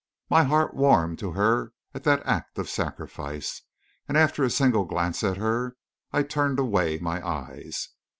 My heart warmed to her at that act of sacrifice; and after a single glance at her, I turned away my eyes.